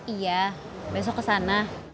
iya besok kesana